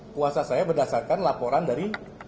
puasa saya berdasarkan laporan dari